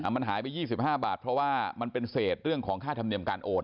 มันหายไป๒๕บาทเพราะว่ามันเป็นเศษเรื่องของค่าธรรมเนียมการโอน